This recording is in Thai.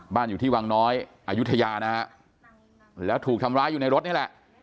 บ้านอยู่ที่วังน้อยอายุทยานะฮะแล้วถูกทำร้ายอยู่ในรถนี่แหละ